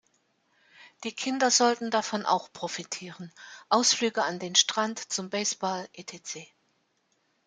Die Kinder sollten davon auch profitieren: Ausflüge an den Strand, zum Baseball etc.